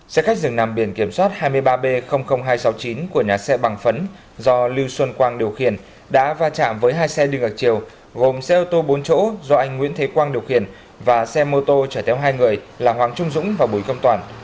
xe khách dừng nằm biển kiểm soát hai mươi ba b hai trăm sáu mươi chín của nhà xe bằng phấn do lưu xuân quang điều khiển đã va chạm với hai xe đi ngược chiều gồm xe ô tô bốn chỗ do anh nguyễn thế quang điều khiển và xe mô tô chở theo hai người là hoàng trung dũng và bùi công toàn